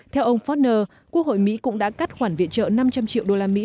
theo ông faulkner quốc hội mỹ cũng đã cắt khoản viện trợ năm trăm linh triệu đô la mỹ